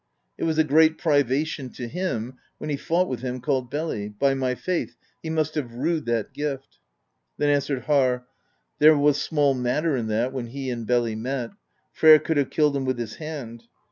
It was a great privation to him, when he fought with him called Beli; by my faith, he must have rued that gift." Then answered Harr: "There was small matter in that, when he and Beli met; Freyr could have killed him with his hand.